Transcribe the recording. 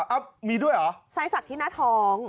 หรือเปล่ามีด้วยเหรอใส่สัตว์ที่น้าทอง